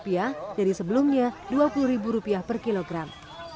bahkan harga ayam potong yang sebelumnya dua puluh rupiah per kilogram